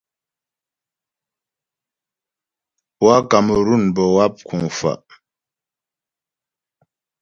Poâ Kamerun bə́ wáp kuŋ fa'.